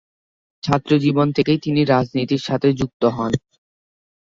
ছাত্রজীবন থেকেই তিনি রাজনীতির সাথে যুক্ত হন।